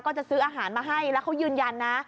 จะซื้ออาหารมาให้แล้วเขายืนยันนะ